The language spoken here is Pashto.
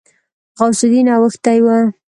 غوث الدين اوښتی و.